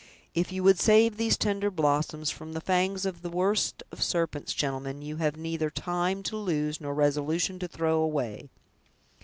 If you would save these tender blossoms from the fangs of the worst of serpents, gentleman, you have neither time to lose nor resolution to throw away!"